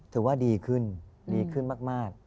ถือว่าดีขึ้นดีขึ้นมาก